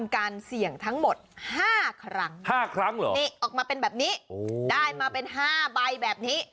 ๕ครั้งเหรอนี่ออกมาเป็นแบบนี้ได้มาเป็น๕ใบแบบนี้